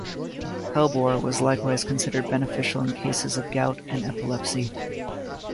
Hellebore was likewise considered beneficial in cases of gout and epilepsy.